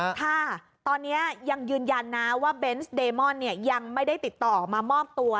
ค่ะตอนนี้ยังยืนยันนะว่าเบนส์เดมอนเนี่ยยังไม่ได้ติดต่อมามอบตัว